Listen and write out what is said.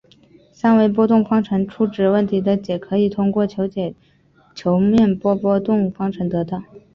三维波动方程初值问题的解可以通过求解球面波波动方程得到。